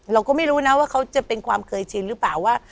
เราก็ไม่รู้นะว่าเขาจะเป็นความเคยชินหรือเปล่าว่า